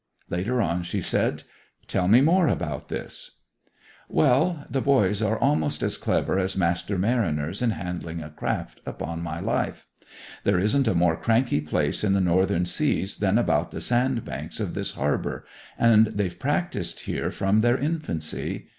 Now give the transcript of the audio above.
Later on she said: 'Tell me more about this.' 'Well, the boys are almost as clever as master mariners in handling a craft, upon my life! There isn't a more cranky place in the Northern Seas than about the sandbanks of this harbour, and they've practised here from their infancy.